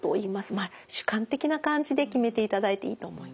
まあ主観的な感じで決めていただいていいと思います。